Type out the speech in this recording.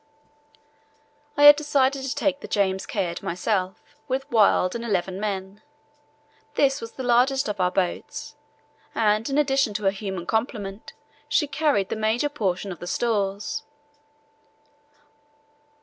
I had decided to take the James Caird myself, with Wild and eleven men. This was the largest of our boats, and in addition to her human complement she carried the major portion of the stores.